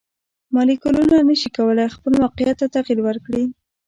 مالیکولونه نشي کولی خپل موقیعت ته تغیر ورکړي.